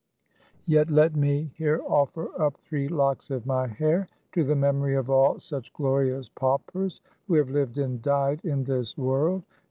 Yet let me here offer up three locks of my hair, to the memory of all such glorious paupers who have lived and died in this world.